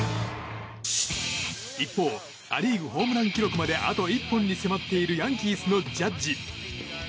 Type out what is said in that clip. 一方ア・リーグホームラン記録まであと１本に迫っているヤンキースのジャッジ。